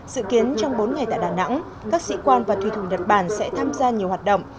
dự kiến trong bốn ngày tại đà nẵng các sĩ quan và thủy thủ nhật bản sẽ tham gia nhiều hoạt động